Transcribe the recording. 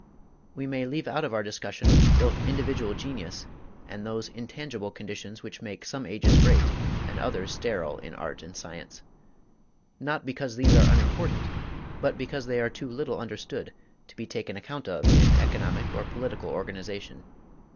We may leave out of our discussion both individual genius and those intangible conditions which make some ages great and others sterile in art and science not because these are unimportant, but because they are too little understood to be taken account of in economic or political organization.